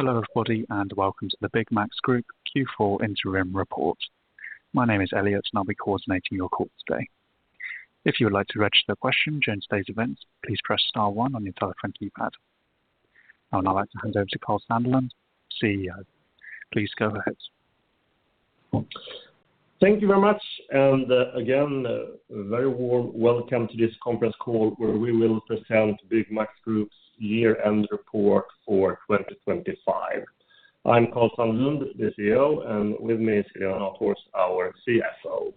Hello, everybody, and welcome to the Byggmax Group Q4 interim report. My name is Elliot, and I'll be coordinating your call today. If you would like to register a question during today's event, please press star one on your telephone keypad. I would now like to hand over to Karl Sandlund, CEO. Please go ahead. Thank you very much, and again, a very warm welcome to this conference call, where we will present Byggmax Group's year-end report for 2025. I'm Karl Sandlund, the CEO, and with me is Helena, of course, our CFO.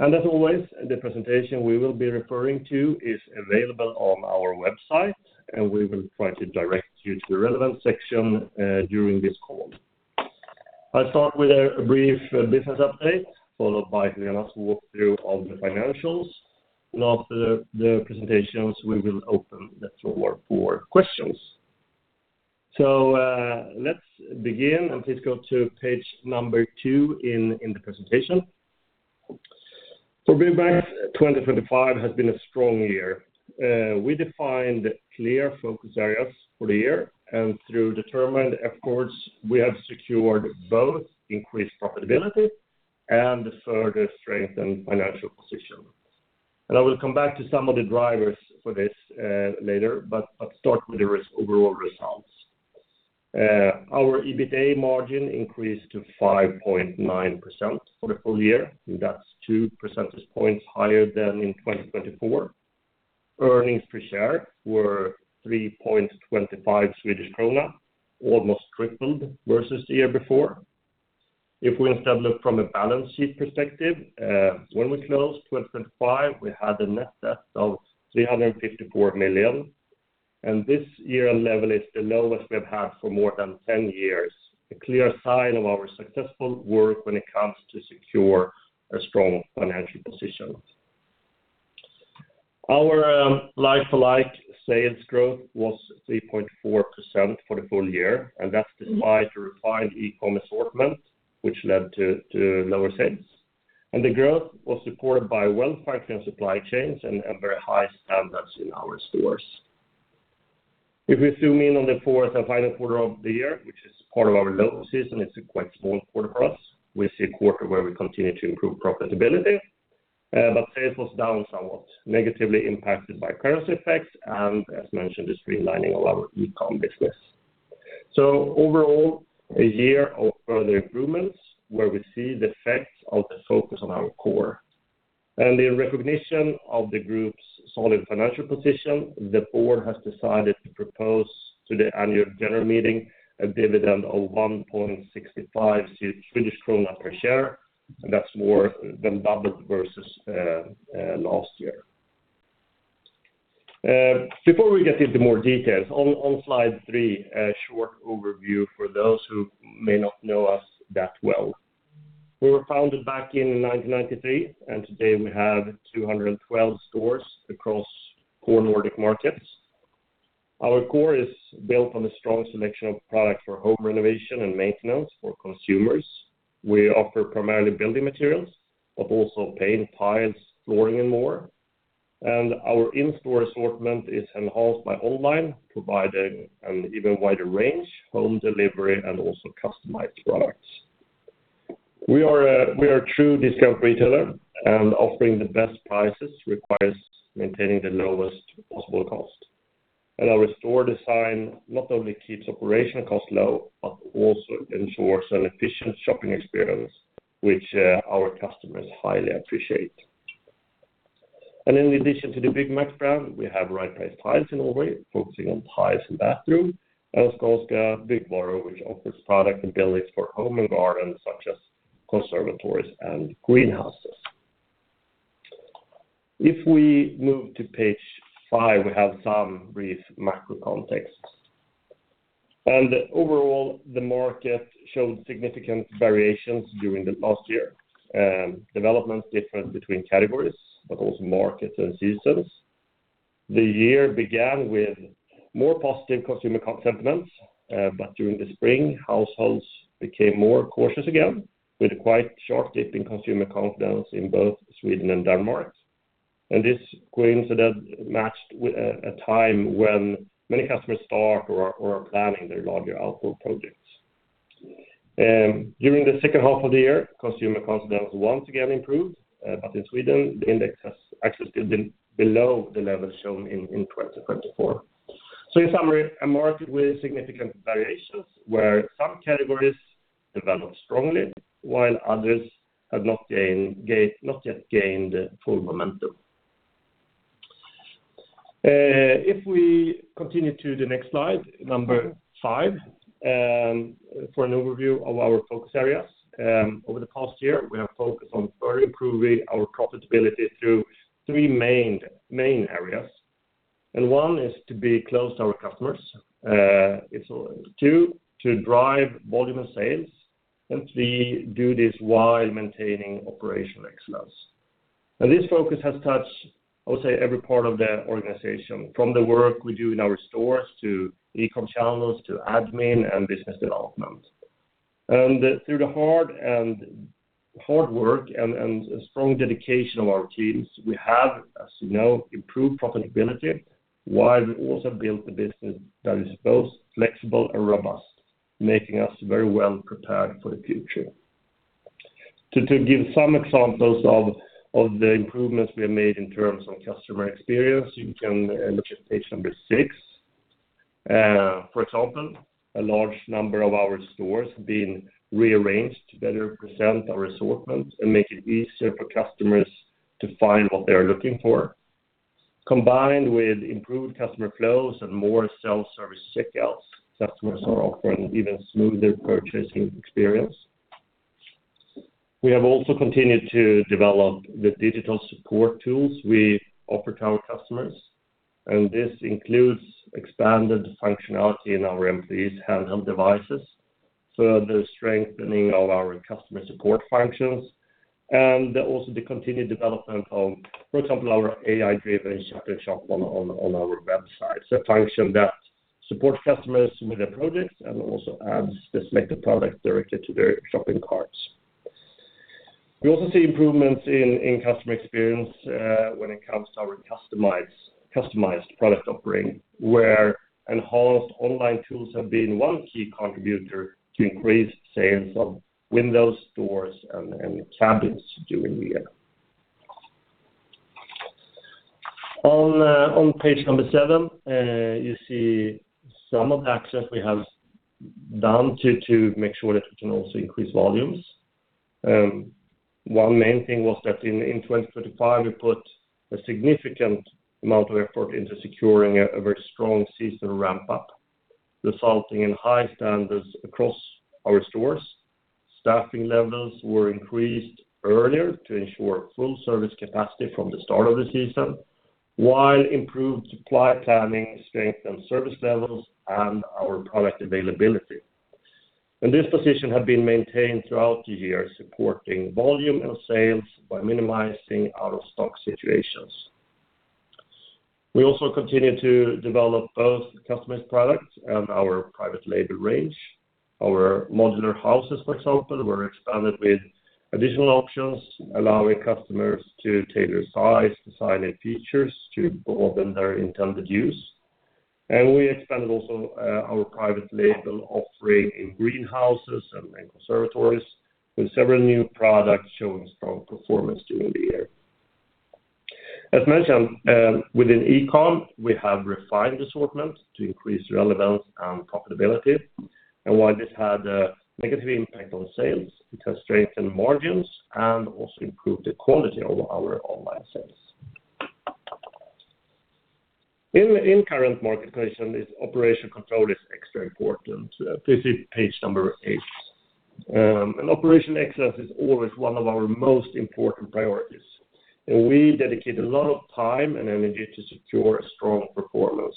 As always, the presentation we will be referring to is available on our website, and we will try to direct you to the relevant section during this call. I'll start with a brief business update, followed by Helena's walkthrough of the financials. After the presentations, we will open the floor for questions. Let's begin, and please go to page number two in the presentation. For Byggmax, 2025 has been a strong year. We defined clear focus areas for the year, and through determined efforts, we have secured both increased profitability and a further strengthened financial position. And I will come back to some of the drivers for this later, but start with the risk overall results. Our EBITDA margin increased to 5.9% for the full year, and that's two percentage points higher than in 2024. Earnings per share were 3.25 Swedish krona, almost tripled versus the year before. If we instead look from a balance sheet perspective, when we closed 2025, we had a net debt of 354 million, and this year level is the lowest we've had for more than 10 years, a clear sign of our successful work when it comes to secure a strong financial position. Our like-for-like sales growth was 3.4% for the full year, and that's despite a refined e-com assortment, which led to lower sales. The growth was supported by well-functioning supply chains and very high standards in our stores. If we zoom in on the fourth and final quarter of the year, which is part of our low season, it's a quite small quarter for us. We see a quarter where we continue to improve profitability, but sales was down somewhat negatively impacted by currency effects and, as mentioned, the streamlining of our e-com business. So overall, a year of further improvements where we see the effects of the focus on our core. In recognition of the group's solid financial position, the board has decided to propose to the annual general meeting a dividend of 1.65 Swedish krona per share, and that's more than double versus last year. Before we get into more details, on slide three, a short overview for those who may not know us that well. We were founded back in 1993, and today we have 212 stores across four Nordic markets. Our core is built on a strong selection of products for home renovation and maintenance for consumers. We offer primarily building materials, but also paint, tiles, flooring, and more. Our in-store assortment is enhanced by online, providing an even wider range, home delivery, and also customized products. We are a true discount retailer, and offering the best prices requires maintaining the lowest possible cost. Our store design not only keeps operational costs low, but also ensures an efficient shopping experience, which our customers highly appreciate. In addition to the Byggmax brand, we have Right Price Tiles in Norway, focusing on tiles and bathroom, and Skånska Byggvaror, which offers product and buildings for home and garden, such as conservatories and greenhouses. If we move to page five, we have some brief macro context. Overall, the market showed significant variations during the last year. Developments differed between categories, but also markets and seasons. The year began with more positive consumer sentiments, but during the spring, households became more cautious again, with quite sharp dip in consumer confidence in both Sweden and Denmark. This coincidence matched with a time when many customers start or are planning their larger outdoor projects. During the second half of the year, consumer confidence once again improved, but in Sweden, the index has actually still been below the level shown in 2024. So in summary, a market with significant variations, where some categories developed strongly, while others have not yet gained full momentum. If we continue to the next slide, number five, for an overview of our focus areas. Over the past year, we have focused on further improving our profitability through three main areas. And one is to be close to our customers. It's two, to drive volume of sales, and three, do this while maintaining operational excellence. And this focus has touched, I would say, every part of the organization, from the work we do in our stores, to e-com channels, to admin and business development. Through the hard work and strong dedication of our teams, we have, as you know, improved profitability, while we also built a business that is both flexible and robust, making us very well prepared for the future. To give some examples of the improvements we have made in terms of customer experience, you can look at page number six. For example, a large number of our stores have been rearranged to better present our assortment and make it easier for customers to find what they are looking for. Combined with improved customer flows and more self-service checkouts, customers are offering even smoother purchasing experience. We have also continued to develop the digital support tools we offer to our customers, and this includes expanded functionality in our employees' handheld devices, so the strengthening of our customer support functions, and also the continued development of, for example, our AI-driven shop-in-shop on our website. It's a function that supports customers with their projects and also adds the selected product directly to their shopping carts. We also see improvements in customer experience when it comes to our customized product offering, where enhanced online tools have been one key contributor to increased sales of windows, doors, and cabinets during the year. On page number seven, you see some of the actions we have done to make sure that we can also increase volumes. One main thing was that in 2025, we put a significant amount of effort into securing a very strong season ramp-up, resulting in high standards across our stores. Staffing levels were increased earlier to ensure full service capacity from the start of the season, while improved supply planning strengthened service levels and our product availability. And this position had been maintained throughout the year, supporting volume and sales by minimizing out-of-stock situations. We also continued to develop both customized products and our private label range. Our modular houses, for example, were expanded with additional options, allowing customers to tailor size, design, and features to broaden their intended use. And we expanded also our private label, offering in greenhouses and conservatories, with several new products showing strong performance during the year. As mentioned, within e-com, we have refined the assortment to increase relevance and profitability. And while this had a negative impact on sales, it has strengthened margins and also improved the quality of our online sales. In current market position, this operational control is extra important. Please see page number eight. Operational excellence is always one of our most important priorities, and we dedicate a lot of time and energy to secure a strong performance.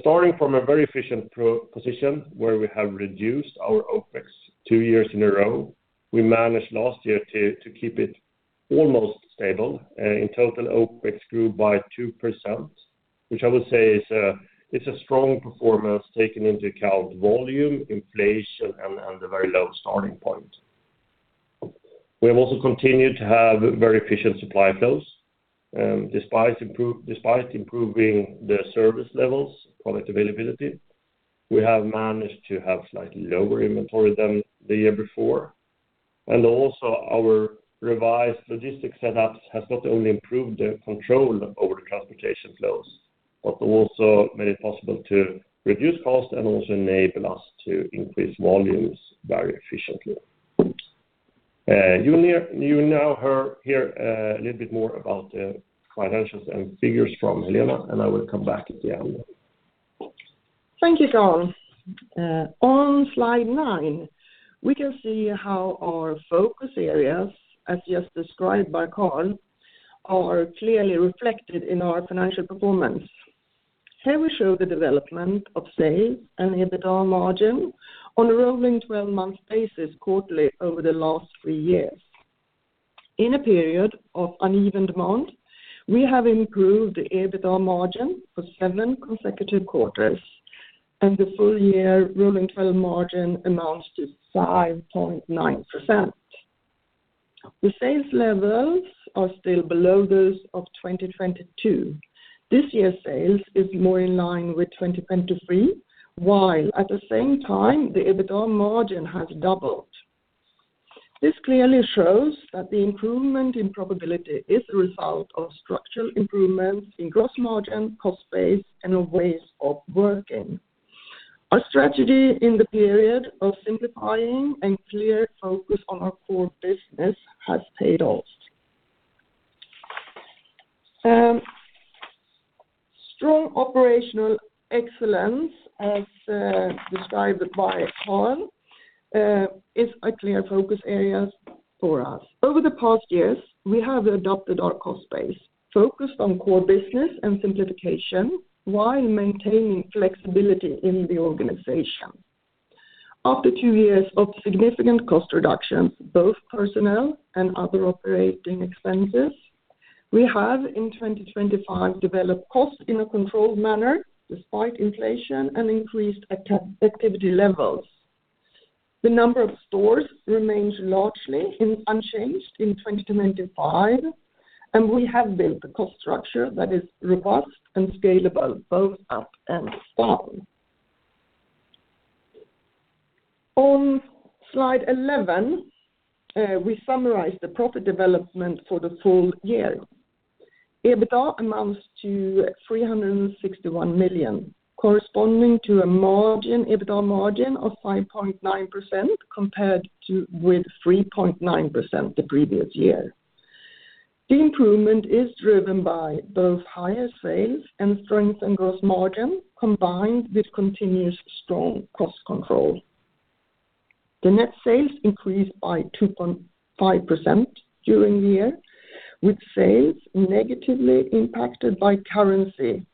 Starting from a very efficient cost position, where we have reduced our OpEx, two years in a row, we managed last year to keep it almost stable. In total, OpEx grew by 2%, which I would say is a strong performance, taking into account volume, inflation, and the very low starting point. We have also continued to have very efficient supply flows, despite improving the service levels, product availability, we have managed to have slightly lower inventory than the year before. And also, our revised logistics setups has not only improved the control over the transportation flows, but also made it possible to reduce costs and also enable us to increase volumes very efficiently. You will now hear a little bit more about the financials and figures from Helena, and I will come back at the end. Thank you, Karl. On slide nine, we can see how our focus areas, as just described by Karl, are clearly reflected in our financial performance. Here, we show the development of sales and EBITDA margin on a rolling twelve-month basis, quarterly, over the last three years. In a period of uneven demand, we have improved the EBITDA margin for seven consecutive quarters, and the full year rolling twelve margin amounts to 5.9%. The sales levels are still below those of 2022. This year's sales is more in line with 2023, while at the same time, the EBITDA margin has doubled. This clearly shows that the improvement in profitability is a result of structural improvements in gross margin, cost base, and ways of working. Our strategy in the period of simplifying and clear focus on our core business has paid off. Strong operational excellence, as described by Karl, is a clear focus areas for us. Over the past years, we have adopted our cost base, focused on core business and simplification, while maintaining flexibility in the organization. After two years of significant cost reductions, both personnel and other operating expenses. We have, in 2025, developed costs in a controlled manner, despite inflation and increased activity levels. The number of stores remains largely unchanged in 2025, and we have built a cost structure that is robust and scalable, both up and down. On slide 11, we summarize the profit development for the full year. EBITDA amounts to 361 million, corresponding to a margin, EBITDA margin of 5.9%, compared to with 3.9% the previous year. The improvement is driven by both higher sales and strength and gross margin, combined with continuous strong cost control. The net sales increased by 2.5% during the year, with sales negatively impacted by currency,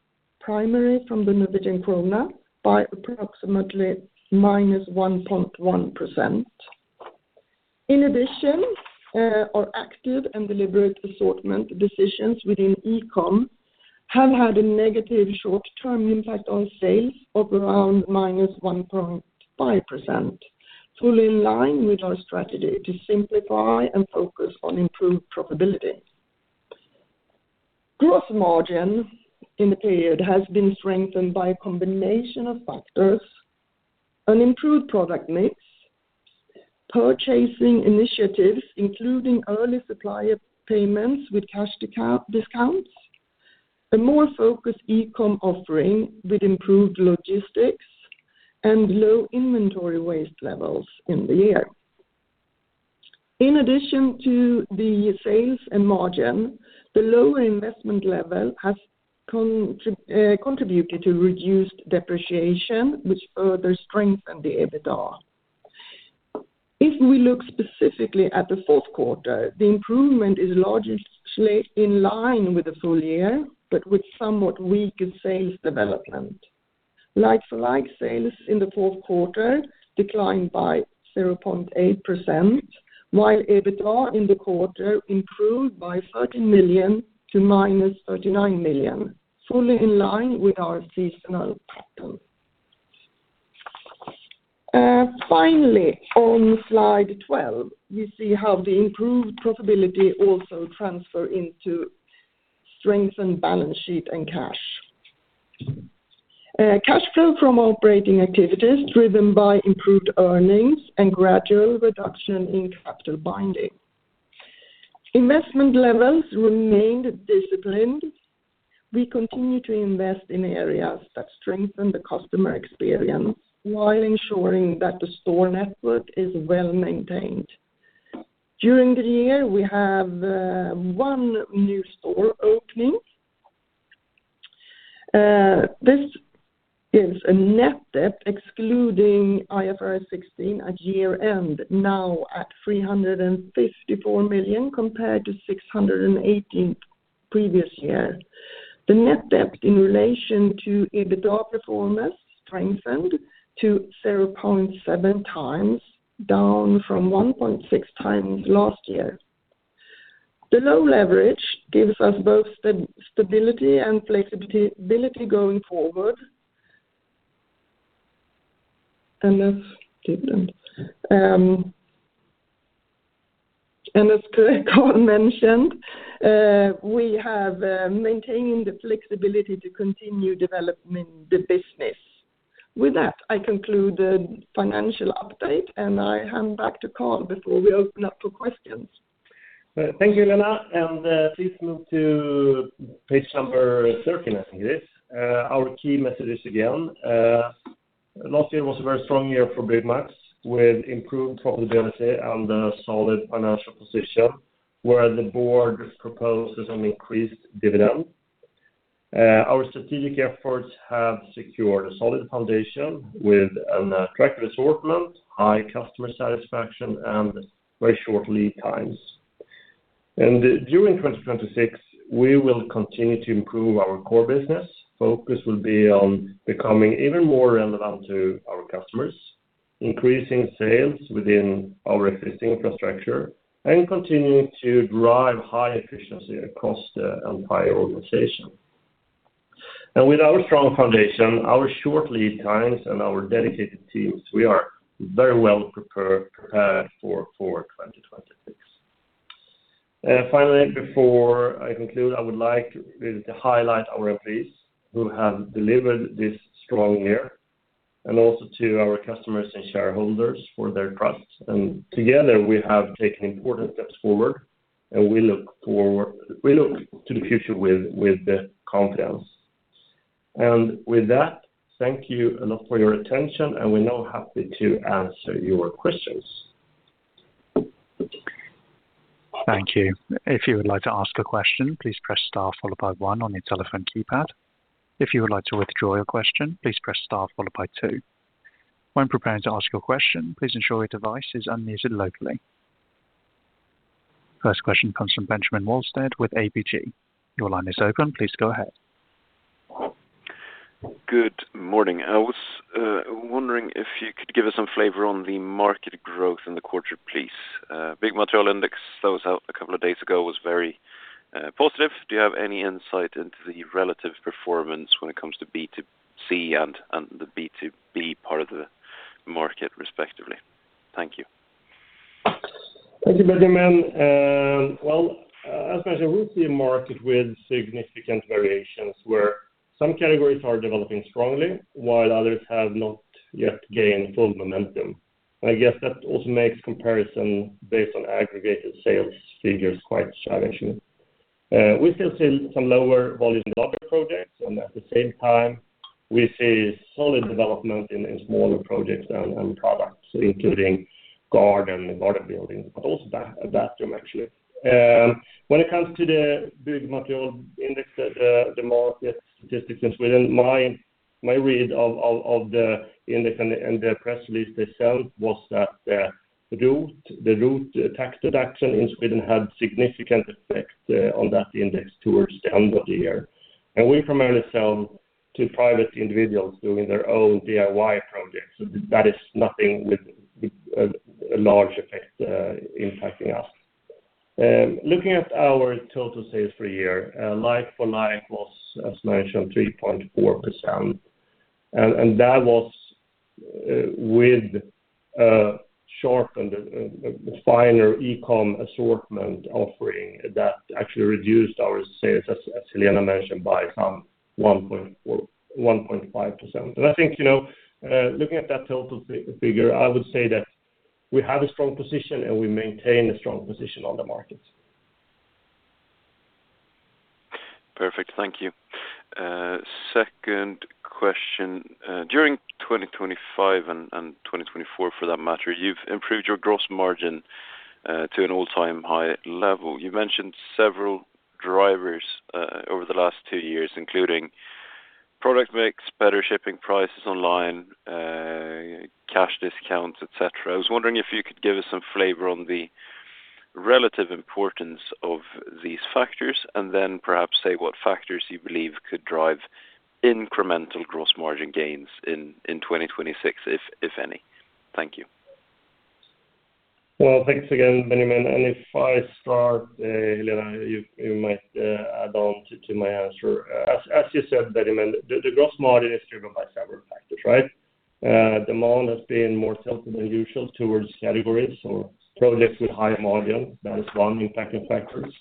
primarily from the Norwegian krona, by approximately -1.1%. In addition, our active and deliberate assortment decisions within e-com have had a negative short-term impact on sales of around -1.5%, fully in line with our strategy to simplify and focus on improved profitability. Gross margin in the period has been strengthened by a combination of factors, an improved product mix, purchasing initiatives, including early supplier payments with cash discounts, a more focused e-com offering with improved logistics and low inventory waste levels in the year. In addition to the sales and margin, the lower investment level has contributed to reduced depreciation, which further strengthened the EBITDA. If we look specifically at the fourth quarter, the improvement is largely in line with the full year, but with somewhat weaker sales development. Like for like, sales in the fourth quarter declined by 0.8%, while EBITDA in the quarter improved by 30 million to -39 million, fully in line with our seasonal pattern. Finally, on slide 12, you see how the improved profitability also transfer into strengthened balance sheet and cash. Cash flow from operating activities, driven by improved earnings and gradual reduction in capital binding. Investment levels remained disciplined. We continue to invest in areas that strengthen the customer experience, while ensuring that the store network is well-maintained. During the year, we have 1 new store opening. This is a net debt, excluding IFRS 16 at year-end, now at 354 million, compared to 618 million previous year. The net debt in relation to EBITDA performance strengthened to 0.7x, down from 1.6x last year. The low leverage gives us both stability and flexibility and ability going forward. And as Karl mentioned, we have maintaining the flexibility to continue developing the business. With that, I conclude the financial update, and I hand back to Karl before we open up for questions. Thank you, Helena, and please move to page 13, I think it is. Our key messages again. Last year was a very strong year for Byggmax, with improved profitability and a solid financial position, where the board proposes an increased dividend. Our strategic efforts have secured a solid foundation with an correct assortment, high customer satisfaction, and very short lead times. During 2026, we will continue to improve our core business. Focus will be on becoming even more relevant to our customers, increasing sales within our existing infrastructure, and continuing to drive high efficiency across the entire organization. With our strong foundation, our short lead times, and our dedicated teams, we are very well prepared for 2026. Finally, before I conclude, I would like to highlight our employees, who have delivered this strong year, and also to our customers and shareholders for their trust. Together, we have taken important steps forward, and we look to the future with confidence. With that, thank you a lot for your attention, and we're now happy to answer your questions. Thank you. If you would like to ask a question, please press star followed by one on your telephone keypad. If you would like to withdraw your question, please press star followed by two. When preparing to ask your question, please ensure your device is unused locally. First question comes from Benjamin Wahlstedt with ABG. Your line is open. Please go ahead. Good morning. I was wondering if you could give us some flavor on the market growth in the quarter, please. Byggmaterialindex that was out a couple of days ago was very positive. Do you have any insight into the relative performance when it comes to B2C and the B2B part of the market, respectively? Thank you. Thank you, Benjamin. Well, as mentioned, we've seen market with significant variations where some categories are developing strongly, while others have not yet gained full momentum. I guess that also makes comparison based on aggregated sales figures quite challenging. We still see some lower volume in larger projects, and at the same time, we see solid development in smaller projects and products, including garden buildings, but also bathroom, actually. When it comes to the Byggmaterialindex, the market statistics within my read of the index and the press release itself was that, the ROT tax deduction in Sweden had significant effect on that index towards the end of the year. We primarily sell to private individuals doing their own DIY projects, so that is nothing with a large effect impacting us. Looking at our total sales for a year, like-for-like was, as mentioned, 3.4%, and that was with shortened, refined e-com assortment offering that actually reduced our sales, as Helena mentioned, by some 1.4%-1.5%. I think, you know, looking at that total figure, I would say that we have a strong position and we maintain a strong position on the markets. Perfect. Thank you. Second question. During 2025 and 2024, for that matter, you've improved your gross margin to an all-time high level. You mentioned several drivers over the last two years, including product mix, better shipping prices online, cash discounts, et cetera. I was wondering if you could give us some flavor on the relative importance of these factors, and then perhaps say what factors you believe could drive incremental gross margin gains in 2026, if any? Thank you. Well, thanks again, Benjamin. If I start, Helena, you might add on to my answer. As you said, Benjamin, the gross margin is driven by several factors, right? Demand has been more tilted than usual towards categories or projects with higher margin. That is one impacting factors.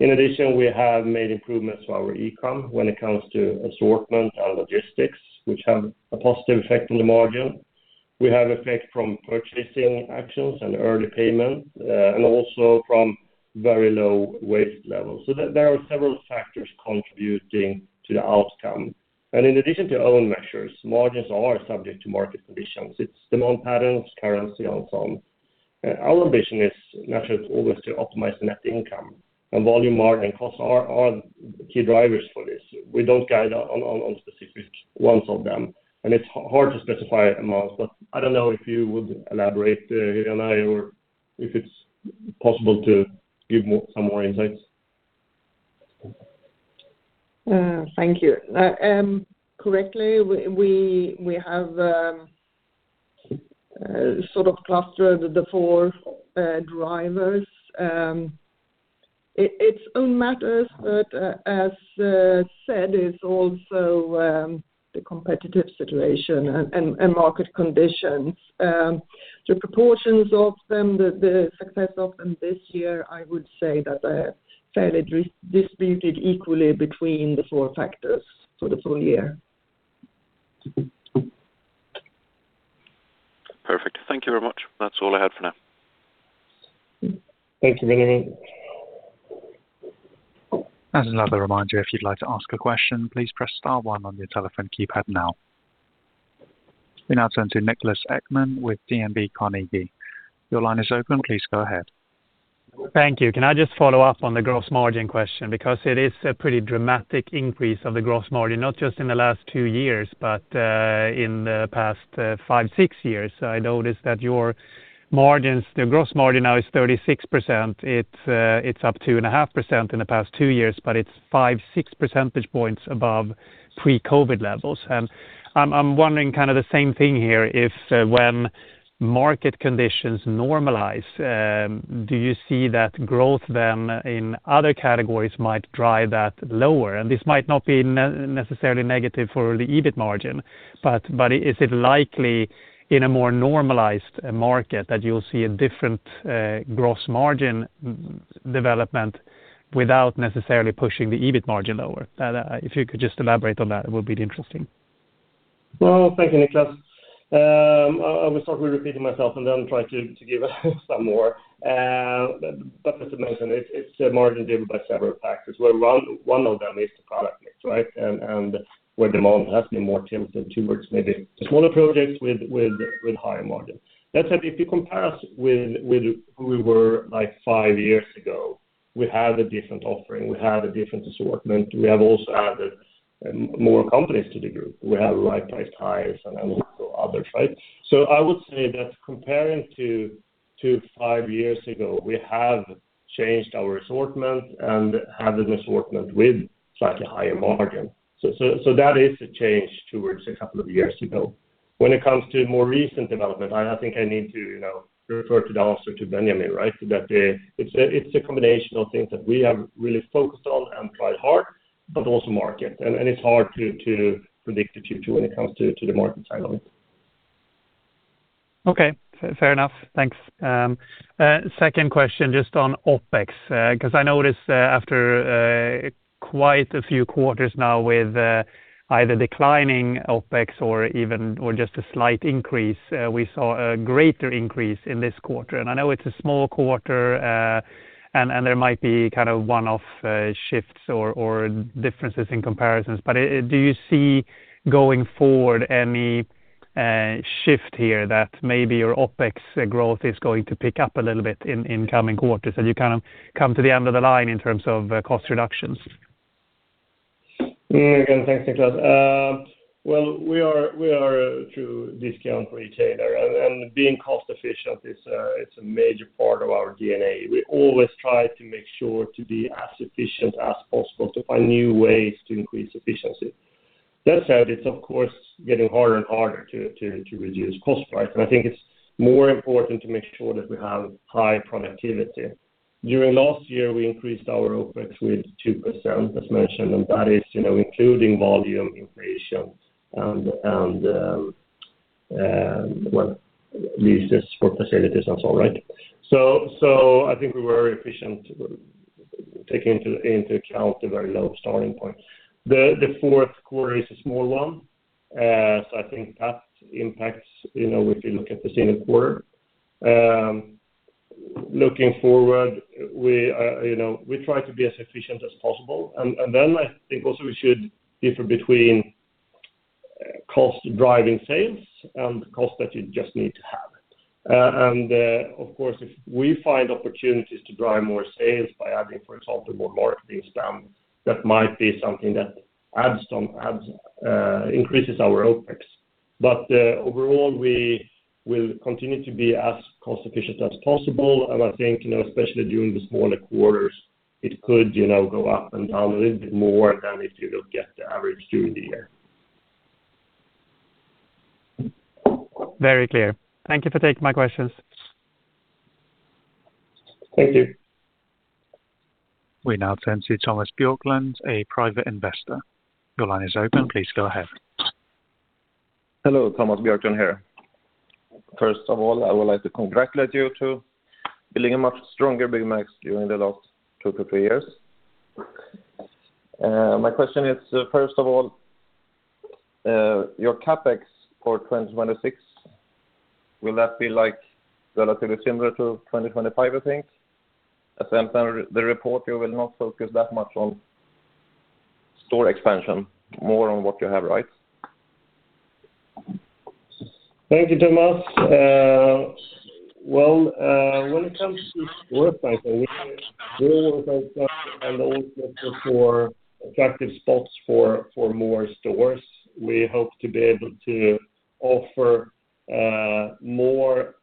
In addition, we have made improvements to our e-com when it comes to assortment and logistics, which have a positive effect on the margin. We have effect from purchasing actions and early payment, and also from very low waste levels. So there are several factors contributing to the outcome. In addition to our own measures, margins are subject to market conditions. It's demand patterns, currency, and so on. Our ambition is naturally always to optimize net income, and volume margin and costs are key drivers for this. We don't guide on specific ones of them, and it's hard to specify amounts, but I don't know if you would elaborate, Helena, or if it's possible to give some more insights. Thank you. Correctly, we have sort of clustered the four drivers. It's own matters, but as said, it's also the competitive situation and market conditions. The proportions of them, the success of them this year, I would say that they're fairly redistributed equally between the four factors for the full year. Perfect. Thank you very much. That's all I had for now. Thank you, Benjamin. As another reminder, if you'd like to ask a question, please press star one on your telephone keypad now. We now turn to Niklas Ekman with DNB Carnegie. Your line is open. Please go ahead. Thank you. Can I just follow up on the gross margin question? Because it is a pretty dramatic increase of the gross margin, not just in the last two years, but in the past five to six years. I noticed that your margins, the gross margin now is 36%. It's up 2.5% in the past two years, but it's 5-6 percentage points above pre-COVID levels. And I'm wondering kind of the same thing here, if when market conditions normalize, do you see that growth then in other categories might drive that lower? And this might not be necessarily negative for the EBIT margin, but is it likely in a more normalized market that you'll see a different gross margin development without necessarily pushing the EBIT margin lower? If you could just elaborate on that, it would be interesting. Well, thank you, Niklas. I will start with repeating myself and then try to give some more. But as I mentioned, it's a margin driven by several factors, where one of them is the product mix, right? And where demand has been more tilted towards maybe the smaller projects with higher margin. That said, if you compare us with who we were like five years ago, we had a different offering, we had a different assortment. We have also added more companies to the group. We have Right Price Tiles and also others, right? So I would say that comparing to two to five years ago, we have changed our assortment and have an assortment with slightly higher margin. So that is a change towards a couple of years ago. When it comes to more recent development, I think I need to, you know, refer to the answer to Benjamin, right? So that it's a combination of things that we have really focused on and tried hard, but also market. And it's hard to predict it too, when it comes to the market side of it. Okay, fair enough. Thanks. Second question, just on OpEx. 'Cause I noticed, after quite a few quarters now with either declining OpEx or even, or just a slight increase, we saw a greater increase in this quarter. And I know it's a small quarter, and there might be kind of one-off shifts or differences in comparisons. But do you see, going forward, any shift here that maybe your OpEx growth is going to pick up a little bit in coming quarters, and you kind of come to the end of the line in terms of cost reductions? Yeah, again, thanks, Niklas. Well, we are a true discount retailer, and being cost efficient is a major part of our DNA. We always try to make sure to be as efficient as possible, to find new ways to increase efficiency. That said, it's of course getting harder and harder to reduce cost, right? And I think it's more important to make sure that we have high productivity. During last year, we increased our OpEx with 2%, as mentioned, and that is, you know, including volume inflation and well, leases for facilities and so on, right? So I think we're very efficient, taking into account a very low starting point. The fourth quarter is a small one, so I think that impacts, you know, if you look at the second quarter. Looking forward, we, you know, we try to be as efficient as possible. And then I think also we should differ between cost driving sales and the cost that you just need to have. And, of course, if we find opportunities to drive more sales by adding, for example, more marketing spend, that might be something that adds some, increases our OpEx. But, overall, we will continue to be as cost efficient as possible. And I think, you know, especially during the smaller quarters, it could, you know, go up and down a little bit more than if you look at the average during the year. Very clear. Thank you for taking my questions. Thank you. We now turn to Thomas Björklund, a private investor. Your line is open, please go ahead. Hello, Thomas Björklund here. First of all, I would like to congratulate you to building a much stronger Byggmax during the last two to three years. My question is, first of all, your CapEx for 2026, will that be, like, relatively similar to 2025, I think? As I understand the report, you will not focus that much on store expansion, more on what you have, right? Thank you, Thomas. Well, when it comes to store cycle, we will open and also look for attractive spots for more stores. We hope to be able to offer more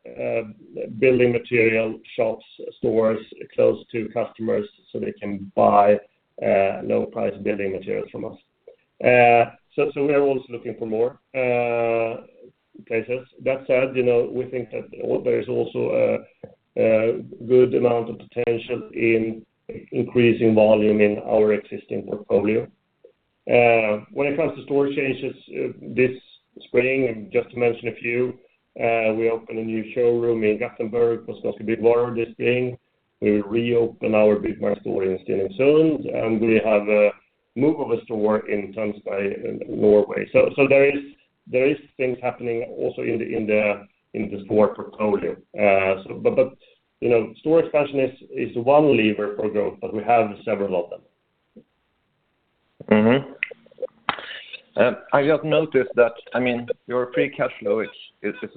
building material shops, stores close to customers so they can buy low price building materials from us. So we are also looking for more places. That said, you know, we think that there is also a good amount of potential in increasing volume in our existing portfolio. When it comes to store changes this spring, and just to mention a few, we opened a new showroom in Gothenburg, Skånska Byggvaror this spring. We reopen our Byggmax store in Stenungsund, and we have a move of a store in Tønsberg, in Norway. So there is things happening also in the store portfolio. But you know, store expansion is one lever for growth, but we have several of them. I just noticed that, I mean, your free cash flow is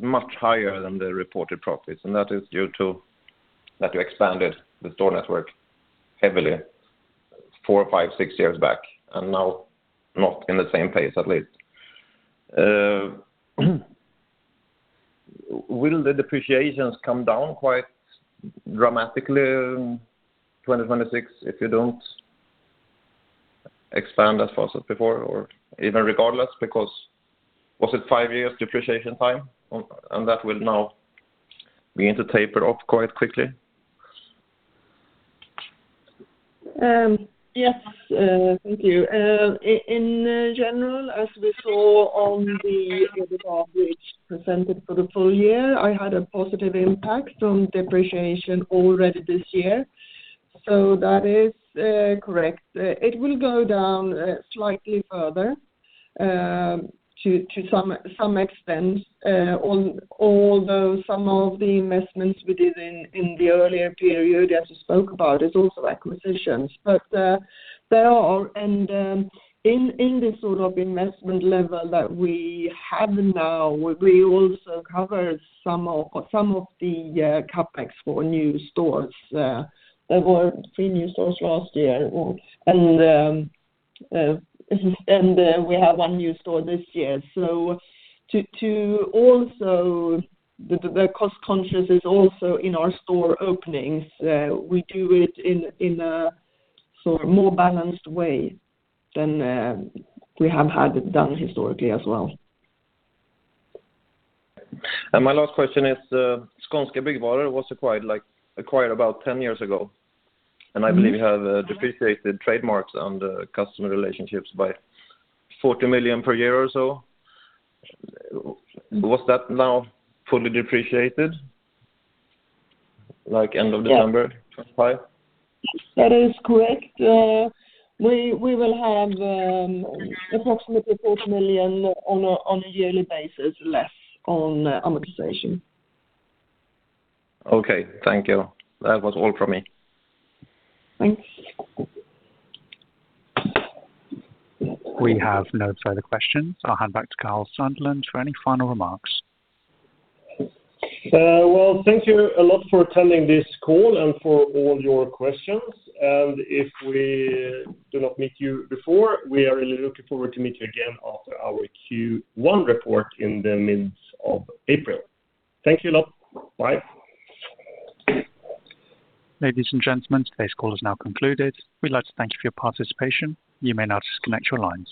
much higher than the reported profits, and that is due to that you expanded the store network heavily four, five, six years back, and now not in the same pace, at least. Will the depreciations come down quite dramatically in 2026 if you don't expand as fast as before? Or even regardless, because was it five years depreciation time, and that will now begin to taper off quite quickly? Yes, thank you. In general, as we saw on the report, which presented for the full year, I had a positive impact on depreciation already this year. So that is correct. It will go down slightly further to some extent, although some of the investments we did in the earlier period, as you spoke about, is also acquisitions. But there are and in this sort of investment level that we have now, we also covered some of the CapEx for new stores, there were three new stores last year. And we have one new store this year. So to also the cost conscious is also in our store openings. We do it in a sort of more balanced way than we have had it done historically as well. My last question is, Skånska Byggvaror was acquired, like, acquired about 10 years ago. I believe you have depreciated trademarks and the customer relationships by 40 million per year or so. Was that now fully depreciated, like, end of November 2025? That is correct. We will have approximately 40 million on a yearly basis, less on amortization. Okay, thank you. That was all from me. Thanks. We have no further questions. I'll hand back to Karl Sandlund for any final remarks. Well, thank you a lot for attending this call and for all your questions. If we do not meet you before, we are really looking forward to meet you again after our Q1 report in the mid of April. Thank you a lot. Bye. Ladies and gentlemen, today's call is now concluded. We'd like to thank you for your participation. You may now disconnect your lines.